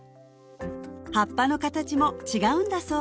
葉っぱの形も違うんだそう